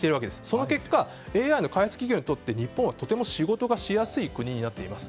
その結果ＡＩの開発企業にとって日本はとっても仕事がしやすい国になっています。